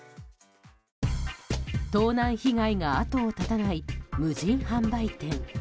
盗難被害が後を絶たない無人販売店。